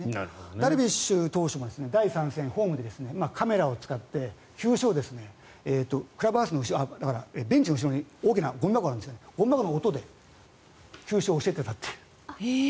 ダルビッシュ投手も第３戦、ホームでカメラを使ってクラブハウスのベンチの後ろに大きなゴミ箱があるんですがゴミ箱の音で球種を教えていたという。